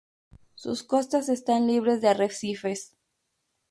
Sus costas están libres de arrecifes.